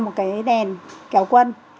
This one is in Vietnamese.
một cái đèn kéo quân